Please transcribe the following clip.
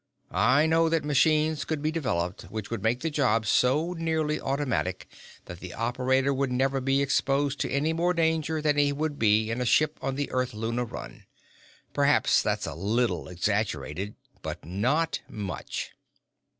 I know that machines could be developed which would make the job so nearly automatic that the operator would never be exposed to any more danger than he would be in a ship on the Earth Luna run. Perhaps that's a little exaggerated, but not much.